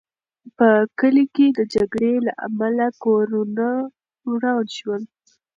په کلي کې د جګړې له امله کورونه وران شول.